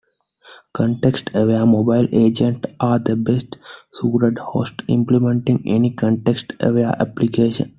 Context-aware mobile agents are a best suited host implementing any context-aware applications.